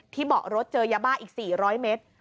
เบาะรถเจอยาบ้าอีก๔๐๐เมตร